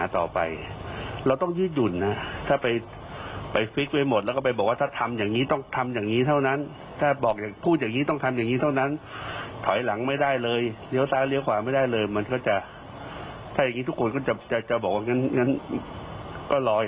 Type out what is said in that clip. แต่รัฐบาลก็ต้องพยายามที่จะแก้ไขปัญหา